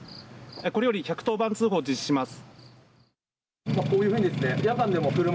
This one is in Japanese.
これより１１０番通報を実施します。